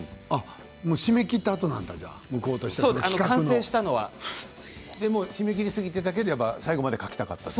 締め切ったあとなんだ、企画の。締め切りが過ぎていたけど最後まで描きたかった。